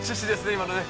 今のね。